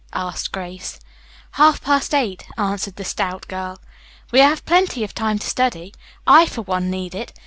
asked Grace. "Half past eight," answered the stout girl. "We have plenty of time to study. I, for one, need it.